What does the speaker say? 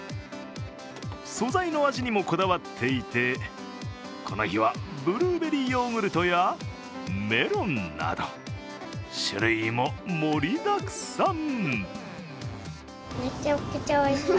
素材の味にもこだわっていて、この日はブルーベリーヨーグルトやメロンなど種類も盛りだくさん。